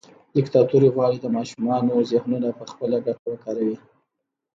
دیکتاتوري غواړي د ماشومانو ذهنونه پخپله ګټه وکاروي.